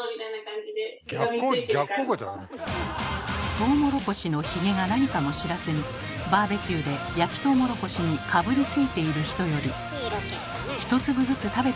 トウモロコシのヒゲが何かも知らずにバーベキューで焼きトウモロコシにかぶりついている人より１粒ずつ食べている人のほうが貯金が多い気がします。